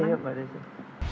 oke yuk mbak desi